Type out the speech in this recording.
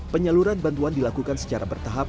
penyaluran bantuan dilakukan secara bertahap